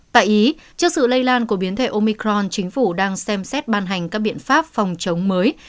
tại ý trước sự lây lan của biến thể omicron chính phủ đang xem xét ban hành các biện pháp phòng chống mới